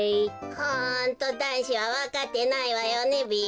ホントだんしはわかってないわよねべ。